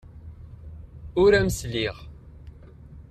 Ur am-sliɣ.